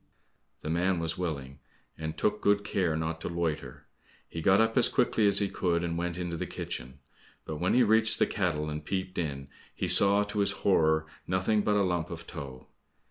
The man was willing and took good care not to loiter. He got up as quickly as he could, and went into the kitchen. But when he reached the kettle and peeped in, he saw, to his horror, nothing but a lump of tow.